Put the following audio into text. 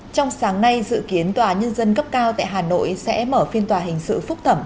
trong sáng nay dự kiến tòa nhân dân cấp cao tại hà nội sẽ mở phiên tòa hình sự phúc thẩm